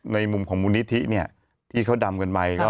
ในมุมของมูลนิธิเนี่ยที่เขาดำกันไป